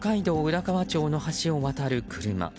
浦河町の橋を渡る車。